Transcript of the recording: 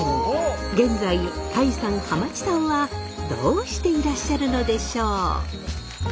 現在タイさんハマチさんはどうしていらっしゃるのでしょう？